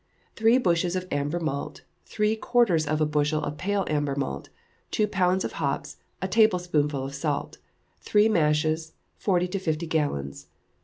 Three bushels of amber malt, three quarters of a bushel of pale amber malt, two pounds of hops, a tablespoonful of salt. Three mashes, forty to fifty gallons.